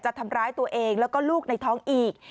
ทำร้ายตัวเองแล้วก็ลูกในท้องอีก